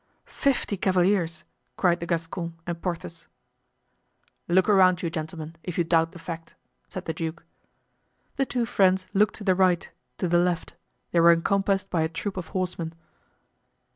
"Fifty cavaliers!" cried the Gascon and Porthos. "Look around you, gentlemen, if you doubt the fact," said the duke. The two friends looked to the right, to the left; they were encompassed by a troop of horsemen.